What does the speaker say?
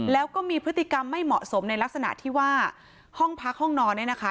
แล้วก็มีพฤติกรรมไม่เหมาะสมในลักษณะที่ว่าห้องพักห้องนอนเนี่ยนะคะ